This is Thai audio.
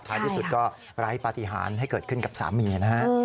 ท้ายที่สุดก็ร้ายปาฏิหารให้เกิดขึ้นกับสามีนะครับ